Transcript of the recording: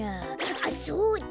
あっそうだ！